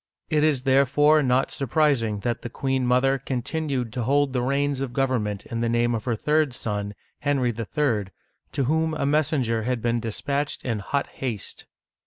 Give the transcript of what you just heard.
It is therefore not surprising that the queen mother continued to hold the reins of government in the name of her third son, Henry III., to whom a messenger had been dispatched in hot haste.